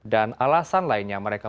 dan alasan lainnya mereka